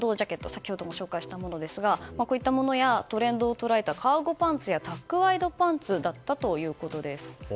先ほども紹介したものですがこういったものですやトレンドを捉えたカーゴパンツやタックワイドパンツだったということです。